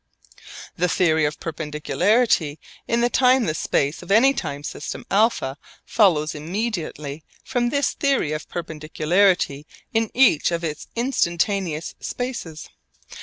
The theory of perpendicularity in the timeless space of any time system α follows immediately from this theory of perpendicularity in each of its instantaneous spaces.